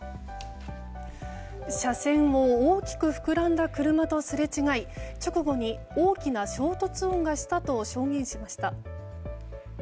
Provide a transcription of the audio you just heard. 車線を大きく膨らんだ車とすれ違い直後に大きな衝突音がしたと証言しました。